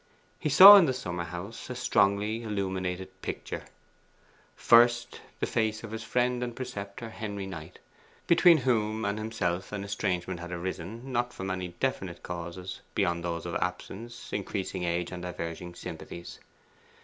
He saw in the summer house a strongly illuminated picture. First, the face of his friend and preceptor Henry Knight, between whom and himself an estrangement had arisen, not from any definite causes beyond those of absence, increasing age, and diverging sympathies.